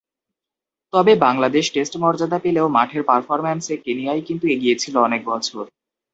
তবে, বাংলাদেশ টেস্ট মর্যাদা পেলেও মাঠের পারফরম্যান্সে কেনিয়াই কিন্তু এগিয়ে ছিল অনেক বছর।